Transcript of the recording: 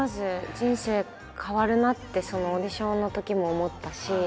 人生変わるなってオーディションのときも思ったし。